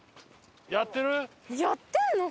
やってるの？